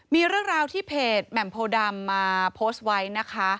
มีเรื่องราวที่เพจแหม่มโพดำมาโพสต์ไว้นะคะ